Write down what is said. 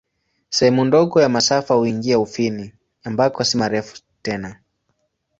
Sehemu ndogo ya masafa huingia Ufini, ambako si marefu tena.